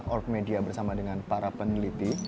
org media bersama dengan para peneliti